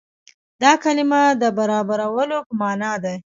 دا کلمه د برابرولو په معنا ده.